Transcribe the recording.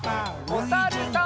おさるさん。